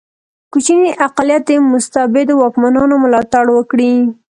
کوچنی اقلیت د مستبدو واکمنانو ملاتړ وکړي.